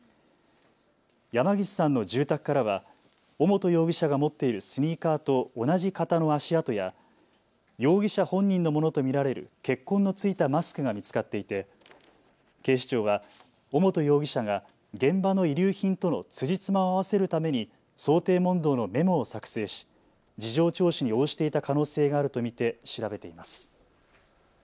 山岸さんの住宅からは尾本容疑者が持っているスニーカーと同じ型の足跡や容疑者本人のものと見られる血痕の付いたマスクが見つかっていて警視庁は尾本容疑者が現場の遺留品とのつじつまを合わせるために想定問答のメモを作成し事情聴取に応じていた可能性があると見て調べています。